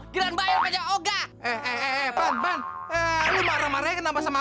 jt balipan gue belum bayar duit kamu